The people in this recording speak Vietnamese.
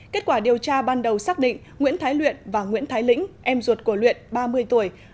kết quả điều tra ban đầu xác định nguyễn thái luyện và nguyễn thái lĩnh em ruột của luyện ba mươi tuổi